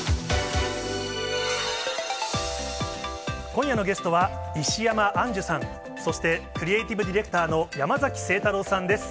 今夜のゲストは、石山アンジュさん、そしてクリエイティブディレクターの山崎晴太郎さんです。